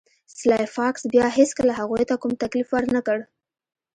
سلای فاکس بیا هیڅکله هغوی ته کوم تکلیف ورنکړ